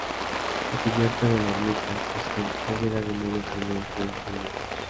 La cubierta de la ermita es con bóveda de medio cañón con lunetos.